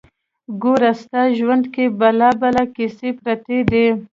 ګودره! ستا ژوند کې بلا بلا کیسه پرته ده